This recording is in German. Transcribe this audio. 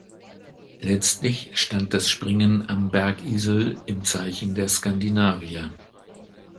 Letztlich stand das Springen am Bergisel im Zeichen der Skandinavier.